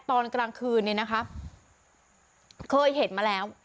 ตอนกลางคืนเนี่ยนะคะเคยเห็นมาแล้ว